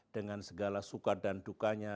dengan segala suka dan dukanya